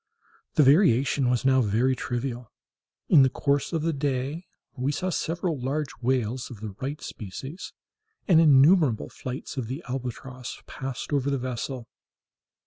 The variation was now very trivial. In the course of the day we saw several large whales of the right species, and innumerable flights of the albatross passed over the vessel.